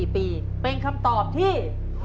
๔ปีเป็นคำตอบที่